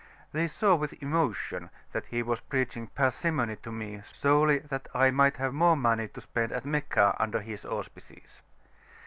They saw with emotion that he was preaching parsimony to me solely that I might have more money to spend at Meccah under his auspices.